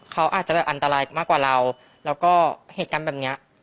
เขาอาจจะแบบอันตรายมากกว่าเราแล้วก็เหตุการณ์แบบเนี้ย